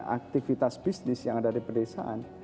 aktivitas bisnis yang ada di pedesaan